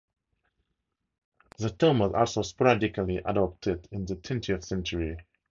The term was also sporadically adopted in the twentieth century.